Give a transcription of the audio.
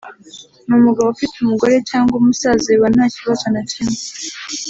n’umugabo ufite umugore cyangwa umusaza biba nta kibazo na kimwe